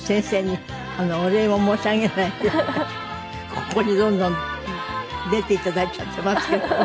ここにどんどん出て頂いちゃっていますけども。